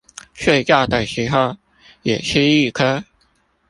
睡覺的時候也吃一顆